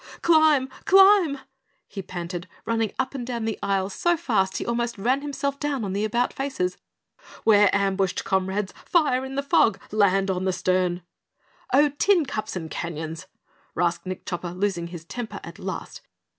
"Climb! Climb!" he panted, running up and down the aisle so fast he almost ran himself down on the about faces. "We're ambushed, comrades! Fire in the fog! Land on the stern!" "Oh, tin cups and canyons!" rasped Nick Chopper, losing his temper at last.